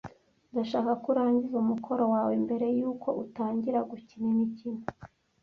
Ndashaka ko urangiza umukoro wawe mbere yuko utangira gukina imikino.